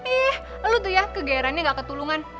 eh lo tuh ya kegairannya gak ketulungan